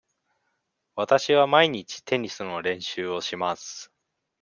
わたしは毎日テニスの練習をします。